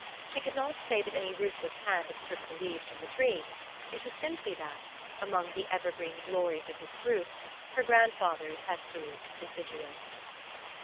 She could not say that any ruthless hand had stripped the leaves from the tree: it was simply that, among the evergreen glories of his group, her grandfather's had proved deciduous.